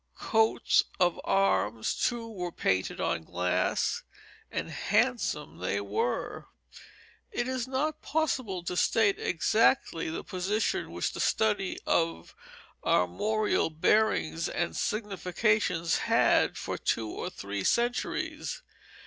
Coats of arms, too, were painted on glass, and handsome they were. It is not possible to state exactly the position which the study of armorial bearings and significations had for two or three centuries.